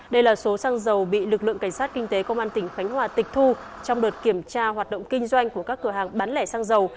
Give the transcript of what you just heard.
đây là số xăng dầu bị lực lượng cảnh sát kinh tế công an tỉnh khánh hòa tịch thu trong đợt kiểm tra hoạt động kinh doanh của các cửa hàng bán lẻ xăng dầu